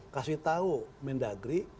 kasih tahu mendagri